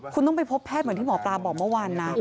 คุณต้องไปพบแพทย์เหมือนที่หมอปลาบอกเมื่อวานนะ